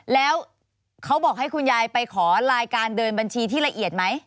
แล้วเขาบอกให้คุณยายไปขอรายการเดินบัญชีที่ละเอียดไหม